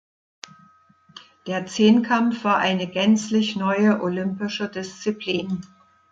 Der Zehnkampf war eine gänzlich neue olympische Disziplin.